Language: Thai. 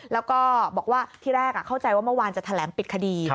แล้วก็บอกว่าที่แรกเข้าใจว่าเมื่อวานจะแถลงปิดคดี